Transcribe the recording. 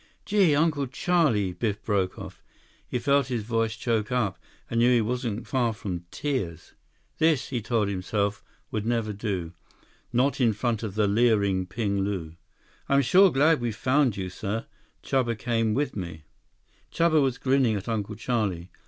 "Gee, Uncle Charlie—" Biff broke off. He felt his voice choke up and knew he wasn't far from tears. This, he told himself, would never do. Not in front of the leering Ping Lu. "I'm sure glad we found you, sir. Chuba came with me." Chuba was grinning at Uncle Charlie.